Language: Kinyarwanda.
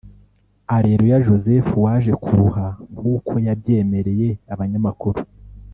Areruya Joseph waje kuruha nk’uko yabyemereye abanyamakuru